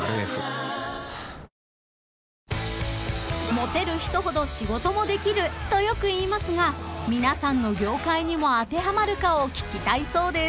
［モテる人ほど仕事もできるとよく言いますが皆さんの業界にも当てはまるかを聞きたいそうです］